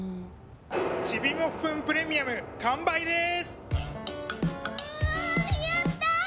ちびもっふんプレミアム完売です！